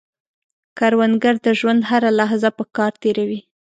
کروندګر د ژوند هره لحظه په کار تېروي